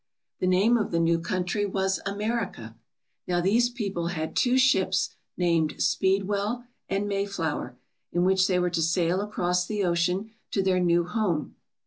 The name of the new country was America. Now these people had two ships named ^Speedwell' and ^May flower,' in which they were to sail across the ocean to their new home.